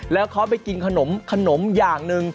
แล้วเขาไปกินขนมอย่างหนึ่ง